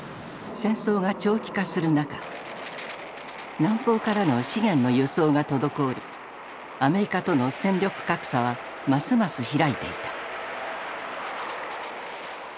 戦争が長期化する中南方からの資源の輸送が滞りアメリカとの戦力格差はますます開いていた。